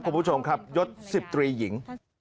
คุณผู้ชมครับยศ๑๐ตรีหญิง